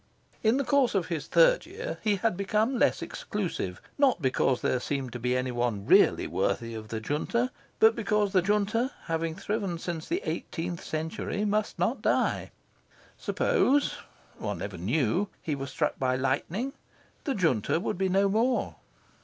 In the course of his third year he had become less exclusive. Not because there seemed to be any one really worthy of the Junta; but because the Junta, having thriven since the eighteenth century, must not die. Suppose one never knew he were struck by lightning, the Junta would be no more.